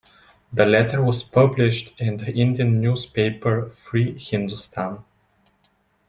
The letter was published in the Indian newspaper "Free Hindustan".